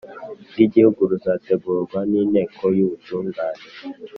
ry igihugu ruzategurwa n Inteko y Ubutungane